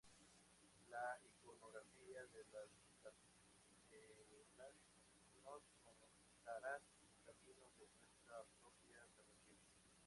La iconografía de las cartelas nos contarán el camino de nuestra propia salvación.